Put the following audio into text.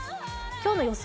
今日の予想